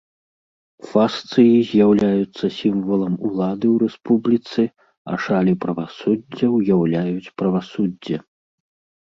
Фасцыі з'яўляюцца сімвалам улады ў рэспубліцы, а шалі правасуддзя ўяўляюць правасуддзе.